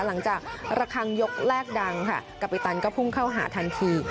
ระคังยกแรกดังค่ะกาปิตันก็พุ่งเข้าหาทันที